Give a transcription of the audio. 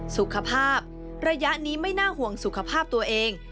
สุขภาพระยะนี้ไม่น่าห่วงสุขภาพตัวเอง